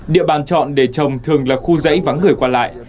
địa bàn chọn để trồng thường là khu dãy vắng người qua lại